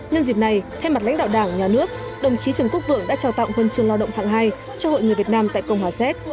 nhân dịp này thay mặt lãnh đạo đảng nhà nước đồng chí trần quốc vượng đã trao tặng huân trường lao động hạng hai cho hội người việt nam tại cộng hòa séc